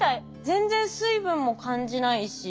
全然水分も感じないし。